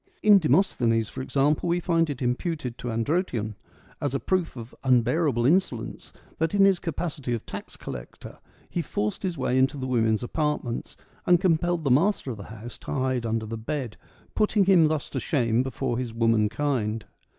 In Demosthenes, for example, we find it imputed to Androtion, as a proof of unbearable insolence, that in his capacity of tax collector he forced his way into the women's apartments, and compelled the master of the house to hide under the bed, putting him thus to shame before his womankind.